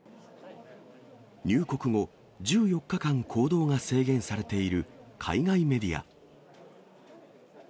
入国後１４日間行動が制限されている海外メディア。